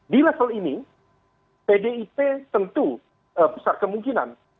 di level ini pdip tentu besar kemungkinan